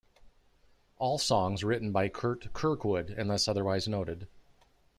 All songs written by Curt Kirkwood, unless otherwise noted.